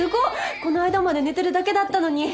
この間まで寝てるだけだったのに。